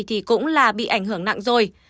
thì cũng là bị ảnh hưởng nặng rồi